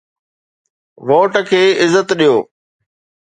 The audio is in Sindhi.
ووٽ کي عزت ڏيو.